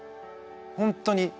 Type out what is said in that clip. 本当に。